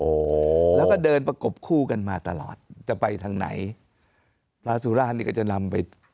โอ้โหแล้วก็เดินประกบคู่กันมาตลอดจะไปทางไหนพระสุราชนี่ก็จะนำไป